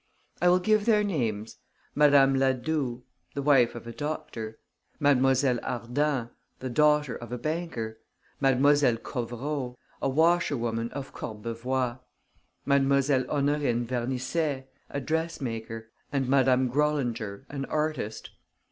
I will give their names: Madame Ladoue, the wife of a doctor; Mlle. Ardant, the daughter of a banker; Mlle. Covereau, a washer woman of Courbevoie; Mlle. Honorine Vernisset, a dressmaker; and Madame Grollinger, an artist.